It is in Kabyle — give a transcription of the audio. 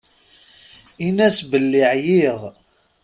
Inn-as belli ɛyiɣ.